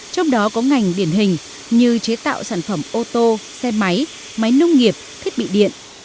trong đó có ngành điển hình như chế tạo sản phẩm ô tô xe máy máy nông nghiệp thiết bị điện